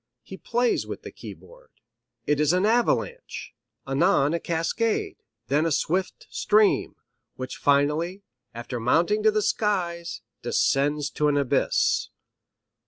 He plays with the keyboard: it is an avalanche, anon a cascade, then a swift stream, which finally, after mounting to the skies, descends to an abyss.